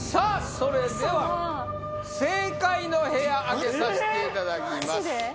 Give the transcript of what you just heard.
それでは正解の部屋開けさせていただきますマジで？